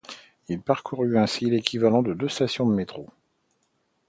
Il parcourut ainsi l’équivalent de deux stations de métro.